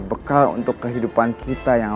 bekal untuk kehidupan kita yang